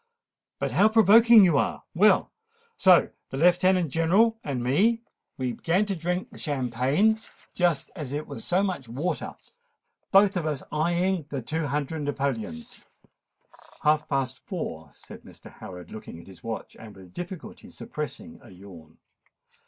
"But how provoking you are! Well, so the Lieutenant General and me, we began to drink the champagne just as if it was so much water—both of us eyeing the two hundred napoleons——" "Half past four," said Mr. Howard, looking at his watch, and with difficulty suppressing a yawn.